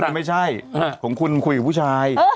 แต่ของคุณไม่ใช่ของคุณคุยกับผู้ชาย